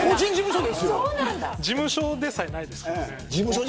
事務所でさえないです。